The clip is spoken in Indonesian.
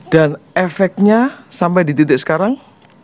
dan efeknya sampai di titik sekarang